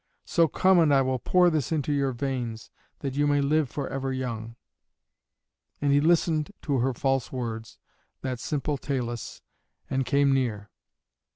So come and I will pour this into your veins, that you may live for ever young." And he listened to her false words, that simple Talus, and came near.